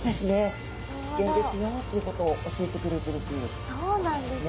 危険ですよということを教えてくれてるということですね。